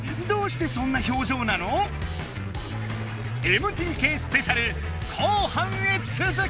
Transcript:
ＭＴＫスペシャル後半へつづく！